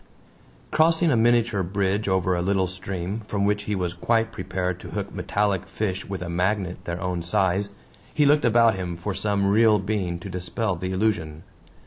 Crossing a miniature bridge over a little stream, from which he was quite prepared to hook metallic fish with a magnet their own size, he looked about him for some real being to dispel the illusion.